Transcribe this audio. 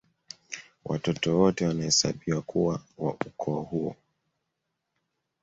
Watoto wote wanahesabiwa kuwa wa ukoo huo